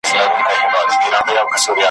چي هوس کوې چي خاندې انسانان درته ګډیږي ,